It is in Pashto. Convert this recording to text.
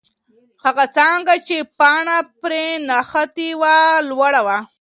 هغه څانګه چې پاڼه پرې نښتې وه، لوړه وه.